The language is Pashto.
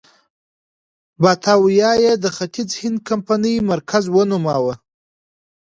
باتاویا یې د ختیځ هند کمپنۍ مرکز ونوماوه.